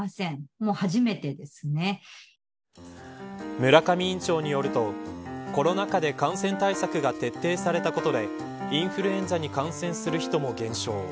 村上院長によるとコロナ禍で感染対策が徹底されたことでインフルエンザに感染する人も減少。